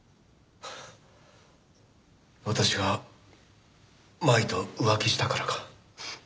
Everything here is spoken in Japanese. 私が麻衣と浮気したからか。